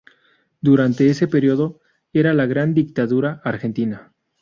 Durante ese período, era la Gran Dictadura argentina.